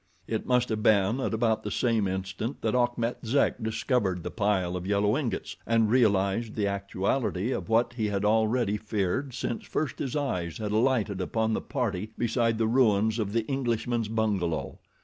It must have been at about the same instant that Achmet Zek discovered the pile of yellow ingots and realized the actuality of what he had already feared since first his eyes had alighted upon the party beside the ruins of the Englishman's bungalow.